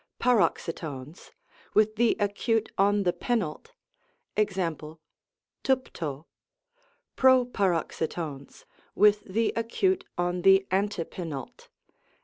Paroxytones, with the acute on the penult. Ex.^ tvtitco, Proparoxytones, with the acute on the antepenult.